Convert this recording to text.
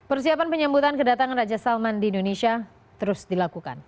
persiapan penyambutan kedatangan raja salman di indonesia terus dilakukan